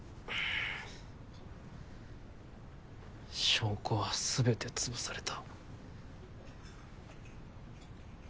証拠はすべて潰された。